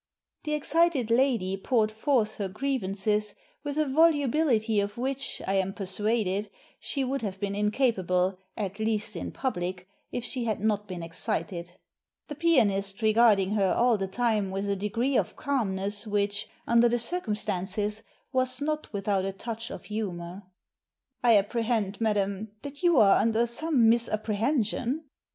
The excited lady poured forth her grievances with a volubility of which, I am persuaded, she would have been incapable — at least, in public — if she R Digitized by VjOOQIC 242 THE SEEN AND THE UNSEEN had not been excited ; the pianist regarding her all the time with a d^free of calmness which, under the circumstances, was not without a touch of humour. ''I apprehend, madam, that you are under some misapprehension."